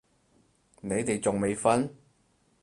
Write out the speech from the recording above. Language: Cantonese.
你哋仲未瞓？